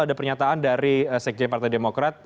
ada pernyataan dari sekjen partai demokrat